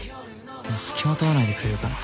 もう付きまとわないでくれるかな？